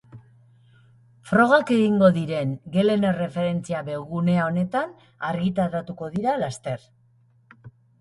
Probak egingo diren gelen erreferentzia webgune honetan argitaratuko da laster.